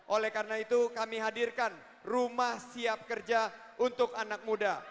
oleh karena itu kami hadirkan rumah siap kerja untuk anak muda